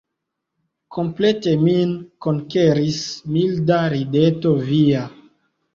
Komplete min konkeris milda rideto via.